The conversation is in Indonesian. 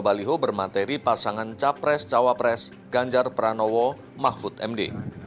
kepala desa di baliho bermateri pasangan capres cawapres ganjar pranowo mahfud md